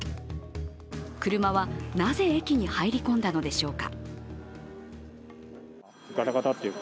車はなぜ、駅に入り込んだのでしょうか。